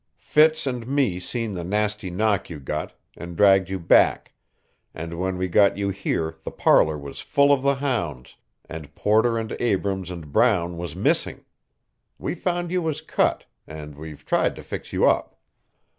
Fitz and me seen the nasty knock you got, and dragged you back, and when we got you here the parlor was full of the hounds, and Porter and Abrams and Brown was missing. We found you was cut, and we've tried to fix you up."